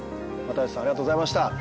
又吉さんありがとうございました。